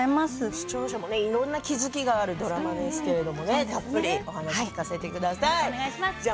視聴者もいろんな気付きがあるドラマですけれどもねたっぷりお話を聞かせてください。